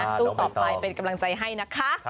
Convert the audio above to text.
สู้ต่อไปเป็นกำลังใจให้นะคะ